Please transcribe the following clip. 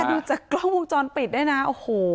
ใช่นะดูจากกล้องมุมจรปิดได้นะโอ้โห